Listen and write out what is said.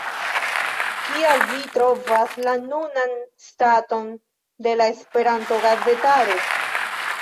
Kia vi trovas la nunan staton de la Esperanto-gazetaro?